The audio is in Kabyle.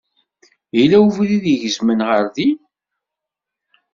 Yella webrid igezmen ɣer din?